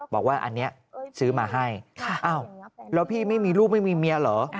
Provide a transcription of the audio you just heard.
บอกว่าอันนี้ซื้อมาให้อ้าวแล้วพี่ไม่มีลูกไม่มีเมียเหรอ